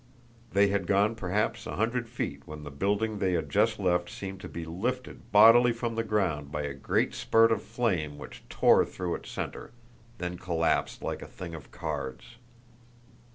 They had gone perhaps a hundred feet when the building they had just left seemed to be lifted bodily from the ground by a great spurt of flame which tore through its center, then collapsed like a thing of cards.